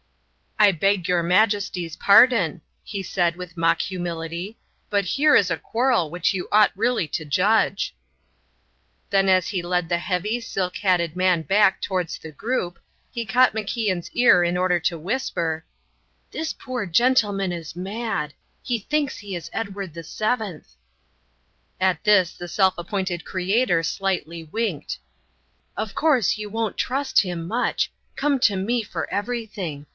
"I beg your Majesty's pardon," he said, with mock humility, "but here is a quarrel which you ought really to judge." Then as he led the heavy, silk hatted man back towards the group, he caught MacIan's ear in order to whisper: "This poor gentleman is mad; he thinks he is Edward VII." At this the self appointed Creator slightly winked. "Of course you won't trust him much; come to me for everything.